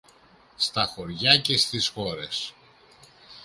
στα χωριά και στις χώρες.